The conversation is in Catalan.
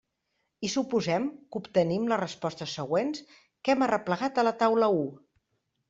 I suposem que obtenim les respostes següents, que hem arreplegat a la taula u.